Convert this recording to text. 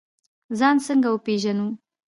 ځان څنګه وپیژنو؟